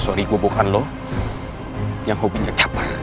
sorry gue bukan lo yang hobinya caper